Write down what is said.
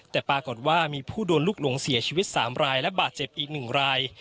แต่ปรากฏว่ามีผู้โดนลูกหลงเสียชีวิต๓รายและบาดเจ็บอีก๑ราย